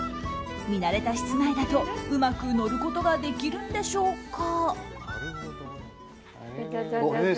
見慣れた室内だとうまく乗ることができるんでしょうか？